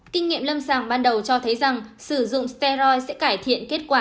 kinh nghiệm lâm sàng ban đầu cho thấy rằng sử dụng strey sẽ cải thiện kết quả